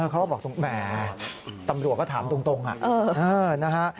เขาก็บอกตรงแหมตำรวจก็ถามตรงนะฮะ